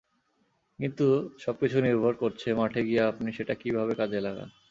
কিন্তু সবকিছু নির্ভর করছে মাঠে গিয়ে আপনি সেটাকে কীভাবে কাজে লাগান।